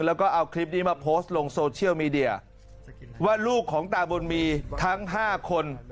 แล้วก็เอาคลิปนี้มาโพสต์ลงโซเชียลมีเดียว่าลูกของตาบุญมีทั้งห้าคน